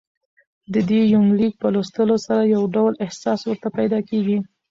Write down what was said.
ددې یونلیک په لوستلو سره يو ډول احساس ورته پېدا کېږي